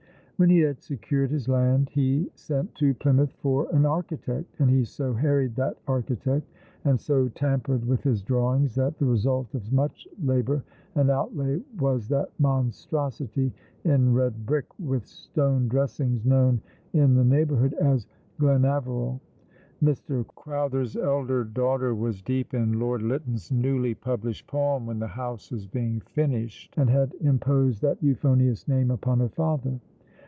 When he had secured his land, he sent to Plymouth for an architect, and he so harried that architect and so tampered with his drawings that the result of much labour and outlay was that monstrosity in red brick with stone dressings, known in the neighbourhood as Glenaveril. Mr. Crowther's elder daughter was deep in Lord Lytton's newly published poem when the house was being finished, and had imposed that euphonious name upon her father.